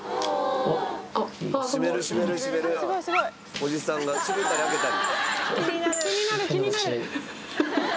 おじさんが閉めたり開けたり。